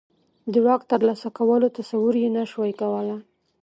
د واک ترلاسه کولو تصور یې نه شوای کولای.